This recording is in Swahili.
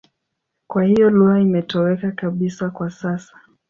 Kwa hiyo lugha imetoweka kabisa kwa sasa.